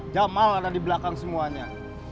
jamal ada di belakang semuanya